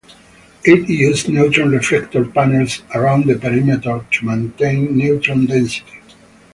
It uses neutron reflector panels around the perimeter to maintain neutron density.